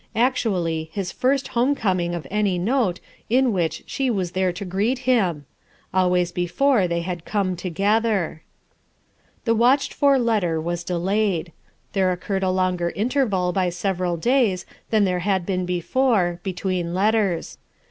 Actually his first home coming of any note in which she was there to greet him 1 Always before they had come together, The watched for letter was delayed. There occurred a longer interval by several days than there had been before, between letters.